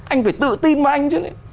anh phải tự tin vào anh